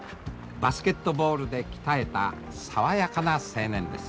バスケットボールで鍛えた爽やかな青年です。